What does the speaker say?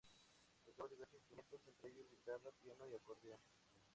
Tocaba diversos instrumentos, entre ellos guitarra, piano y acordeón.